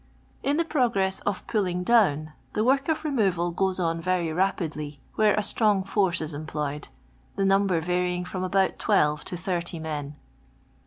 I In the progress of pulling down, the work of removal goes on very rapidly where a strong force is employed— the number varying from about twelve to 30 men.